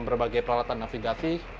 berbagai peralatan navigasi